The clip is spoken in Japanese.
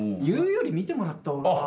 言うより見てもらった方が。